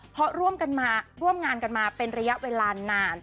เพราะร่วมงานกันมาเป็นระยะเวลานาน